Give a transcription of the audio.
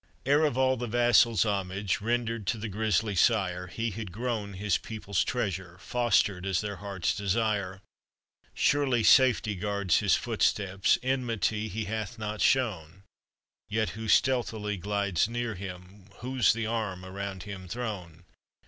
Heir of all the vassals1 homage, Rendered to the grisly 8ire, He had grown his people's treasure, Fostered as their heart's desire. Surely safety guards his footsteps, Enmity he hath not shown; Yet who stealthily glides near him, Whose the arm around him thrown